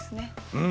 うん！